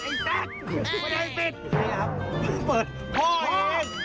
ไอ้คำเปิดพ่อเอง